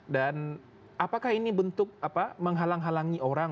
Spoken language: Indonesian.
dan apakah ini bentuk menghalang halangi orang